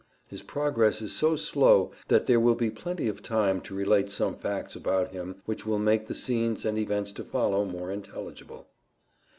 His progress is so slow that there will be plenty of time to relate some facts about him which will make the scenes and events to follow more intelligible.